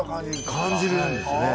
感じるんですね。